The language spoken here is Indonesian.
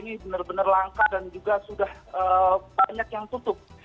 ini benar benar langka dan juga sudah banyak yang tutup